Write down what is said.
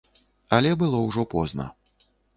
Але было ўжо позна.